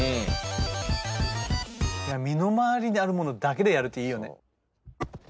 身の回りにあるものだけでやるっていいよね。